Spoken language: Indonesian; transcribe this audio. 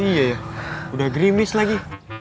iya ya udah grimis lagi